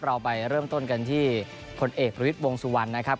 เราไปเริ่มต้นกันที่ผลเอกประวิทย์วงสุวรรณนะครับ